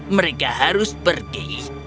mereka harus pergi